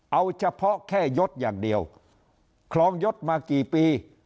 เอาเฉพาะแค่ยศอย่างเดียวครองยศมากี่ปี